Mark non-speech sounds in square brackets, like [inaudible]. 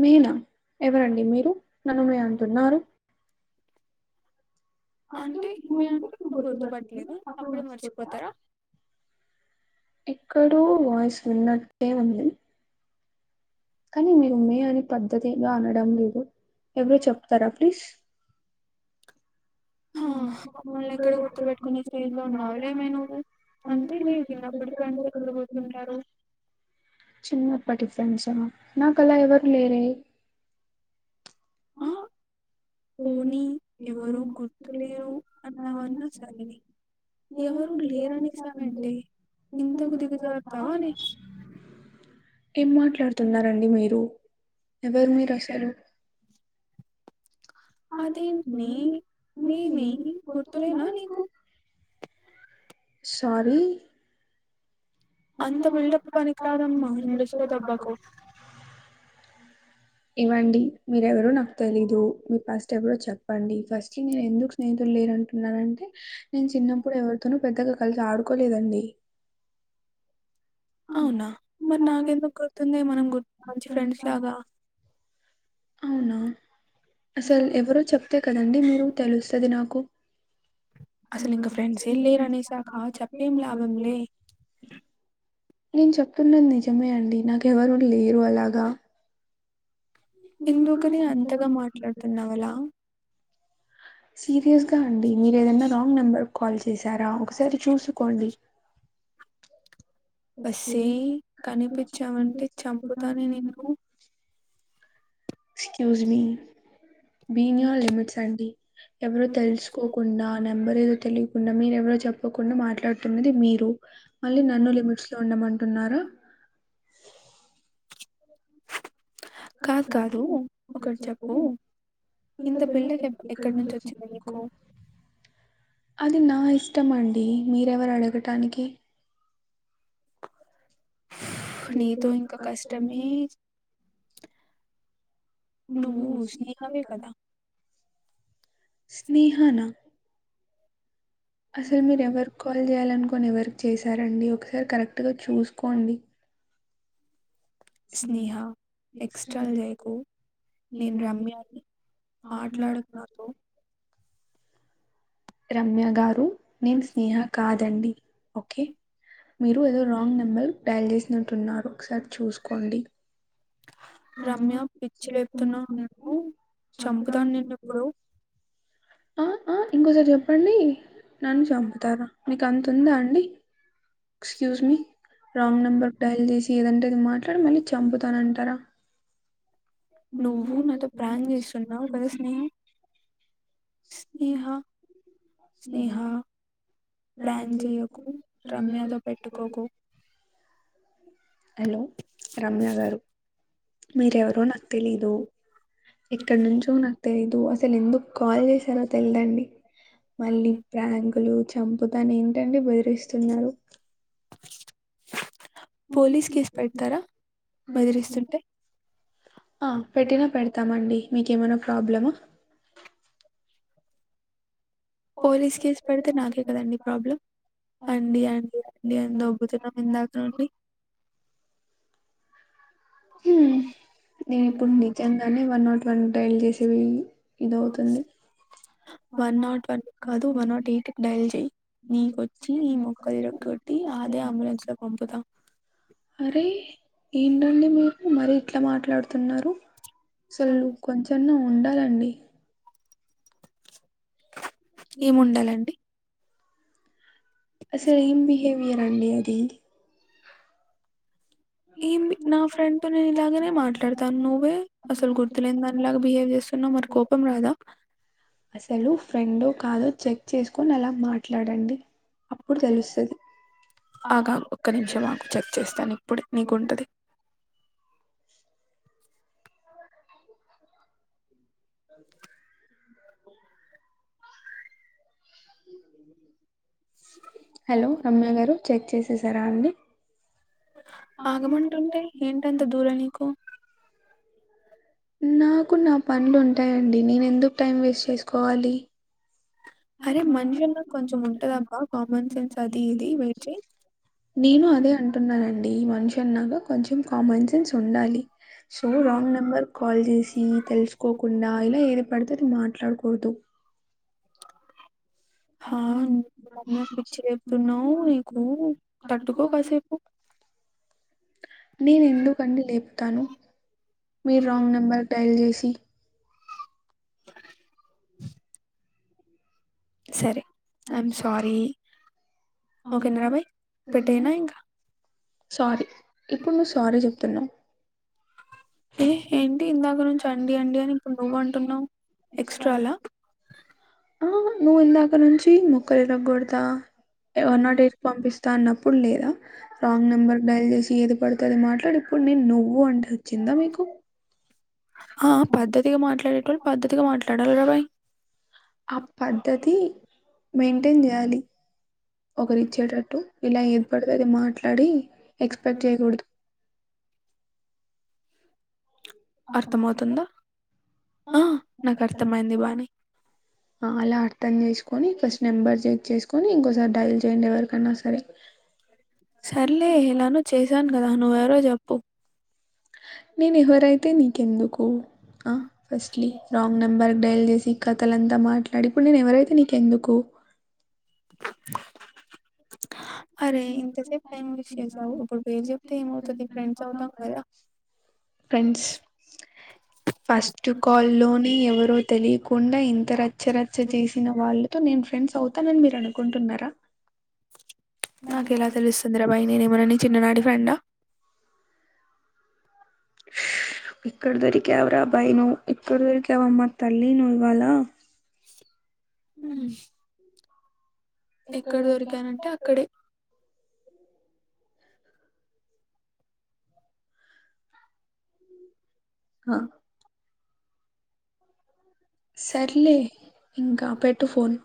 మీనా ఎవరండి మీరు నన్ను మే అంటున్నారు అంటే మేం అంటే గుర్తుపట్టలేద అప్పుడే మర్చిపోతారా ఎక్కడో వాయిస్ విన్నటే ఉంది కానీ మీరు మే అని పద్ధతిగా అనడం లేదు ఎవరు చెప్తారా ప్లీజ్ చిన్నపటి కొంచం నాకు అలా ఎవరు లేరే ఆ పోనీ ఎవరు గుర్తులేరు అన్నావన్నా సరే ఎవరు లేరనేసావ్ ఎంటే ఇంతకు దిగజార్తావ్ ఆనే ఏం మాట్లాడుతున్నారండి మీరు ఎవరు మీరు అస్సలు అదేంట్నే నేను గుర్తులేనా నీకు సారీ అంత బిల్డప్ పనికి రాదమ్మా ఇండస్ట్రీలో దబ్బకు ఇవండి మీరెవరో నాకు తెలీదు మీ పస్ట్ ఎప్పుడో చెప్పండి ఫస్ట్ మీరు ఎందుకు లేరు అంటున్నారంటే నేను చిన్నప్పుడు ఎవరితోనూ పెద్దగా కలిసి ఆడుకోలేదండి అవునా మరి నాకెందుకు గుర్తుంది మనం గుడ్ మంచి ఫ్రెండ్స్ లాగా అవునా అసలు ఎవరో చెప్తే కదండి మీరు తెలుస్తుంది నాకు నేను చెప్తున్నాది నిజమే అండి నాకెవరు లేరు అలాగా ఎందుకని అంతగా మాట్లాడుతున్నావలా సీరియస్గా అండి మీరు ఏదైనా రాంగ్ నెంబర్ కాల్ చేసారా ఒకసారి చూసుకోండి ఒసేయ్ కనిపించినాంటే చంపుతా నిను excuse me be in your limits అండి ఎవరో తెలుసుకోకుండా నెంబర్ ఏదో తెలియ మీరు ఎవరో చెప్పకుండా మాట్లాడుతున్నది మీరు మళ్ళీ నన్ను లిమిట్స్ లో ఉండమంటున్నారు కాదు కాదు ఒకటి చెప్పు ఇంత బిల్ డప్ ఎక్కడి నుంచి వచ్చింది నీకు అది నా ఇష్టం అండి మీరెవరు అడగటానికి స్స్స్ నీతో ఇంక కష్టమే నువ్వు స్నేహవే కదా స్నేహ నా అసలు మీరు ఎవరికి కాల్ చేయాలనుకున్ కొనే ఎవర్కి చేశారండి ఒకసారి కరెక్ట్ గా చూసుకోండి స్నేహా ఎక్స్టల్ జైకు నేను రమ్యా తో మాట్లాడుతాను రమ్య గారు నేను స్నేహ కాదండి ఓకే మీరు ఏదో రాంగ్ నెంబర్ డయల్ చేసినట్టున్నారు ఒకసారి చూసుకోండి రమ్య పిచ్చి లేపుతున్నావు, చంపుతా నిన్ను ఇప్పుడు ఆ ఆ ఇంకోసారి చెప్పండి. నన్ను చంపుతారా? మీకు అంత ఉందా అండి excuse me wrong number dial చేసి ఏదంటే అది మాట్లాడి, మళ్ళీ చంపుతానంటారా నువ్వు నాతో ప్రాంక్ చేస్తున్నావు కదా స్నేహ స్నేహ స్నేహ ప్రాంక్ చేయకు రమ్యతో పెట్టుకోకు హలో రమ్య గారు మీరెవరో నాకు తెలీదు. ఎక్కడ నుంచో నాకు తెలీదు అసలు ఎందుకు కాల్ చేసారో తెలిదండి మళ్ళీ ప్రాంకులు చంపు నన్ను ఏంటండి బెదిరిస్తున్నారు పోలీస్ కేసు పెడతారా? బెదిరిస్తుంటే ఆ పెట్టినా పెడతామండి మీకేమైనా ప్రాబ్లమా పోలీస్ కేసు పెడితే నాకే కదండి ప్రాబ్లం అండి అండి అండి అని దొబ్బుతున్నాం ఇందాక నుండి హ్మ్ నేను ఇప్పుడు నిజంగానే వన్ నాట్ వన్ ట్రైల్ జేసేవి ఇదవుతుంది అరే ఏంటండి మీరు మరి ఎట్లా మాట్లాడుతున్నారు అసలు కొంచెన్నా ఉండాలండి ఏముండాలండి అసే ఏమ్ బిహేవియర్ అండి అది ఏంది నా ఫ్రెండ్ తో నేను ఇలాగనే మాట్లాడతాను నువ్వే అసలు గుర్తులేని దానిలాగా బిహేవ్ చేస్తున్నావు మరి కోపం రాదా చెక్ చేసుకోని అలా మాట్లాడండి అగా ఒక్క నిమిషం ఆగు చెక్ చేస్తాను ఇప్పుడు నీకుంటది హలో రమ్య గారు చెక్ చేసేసారా అండి ఆగమంటుంటే ఏంటంత దూల నీకు నాకు నా పనులు ఉంటాయండి నేను ఎందుకు టైం వేస్ట్ చేసుకోవాలి అరే మనిషి నినాకు కొంచెం ఉంటుదబ్బా కామన్ సెన్స్ అది ఇది వెయిట్ చేయ్ మనిషిన్నాగా కొంచెం కామన్ సెన్స్ ఉండాలి సో రాంగ్ నెంబర్ కాల్ చేసి తెలుసుకోకుండా ఇలా ఏది పడితే మాట్లాడకూడదు హా మ పిచ్చి రేపుతున్నావు నీకు తట్టుకో కాసేపు నేను ఎందుకండి లేపుతాను మీ రాంగ్ నెంబర్ డైల్ చేసి ఎ సరే సారీ ఇప్పుడు నువ్ సారీ చెప్తున్నావు ఏ ఏంటి ఇందాక నుంచి అండి అండి అని ఇప్పుడు నువ్వ అంటున్నావు ఎక్స్ట్రాాల ఆ నువ్వు ఇందాక నుంచి తీ ముక్కలు ఇరగోడత ఏం వన్ నాట్ ఎయిట్ కి పంపిం తన్నప్పుడు లేదా రాంగ్ నెంబర్ డయల్ చేసి ఏది పడితే అది మాట అడు ఇప్పుడు నేను నువ్వు అంటే వచ్చిందా మీకు ఆ పద్ధతిగా మాట్లాడేటోళ్లు పద్ధతిగా మాట్లాడాలిరాబాయ్ ఆ పద్ధతి మెయింటైన్ చేయాలి ఒకరిచ్చేటట్టు ఇలా ఏది పడుతు అది మాట్లాడి ఎక్స్పెక్ట్ చేయకూడదు అలా అర్థం చేసుకొని ఫస్ట్ నెంబర్ చెక్ చేసుకోని ఇంకోసారి డైల్ చేయండి ఎ అన్నా సరే సర్లే ఎలానో చేశాను కదా నువ్వు ఎవరో చెప్పు నేను ఎవరైతే నీకెందుకు ఓ ఆ ఫస్ట్లీ రాంగ్ నెంబర్ డైల్ చేసి ఈ కథలంతా మాట్లాడి ఇప్పుడు నేను ఎవరైతే నీకెందుకు ఫ్రెండ్స్ ఫస్ట్ కాలోనే ఎవరో తెలియకుండా ఇంత రచ్చరచ్చ చేసిన వాళ్ళతో నేను ఫ్రెండ్స్ అవుతానని మీరు అనుకుంటున్నారా నాక ఎలా తెలుస్తుంది రాబాయ్ నేనేమన్నా నీ చిన్ననాటి ఫ్రెండా ఎక్కడ దొరికి ఎవ అబాయిను ఇక్కడ దొరికవ్ అమ్మ త వెళ్ళీ నోవాలా [inaudible] ఉమ్ ఎక్కడ దొరికానంటే అక్కడే హ సర్లే ఇంకా పెట్టు ఫోన్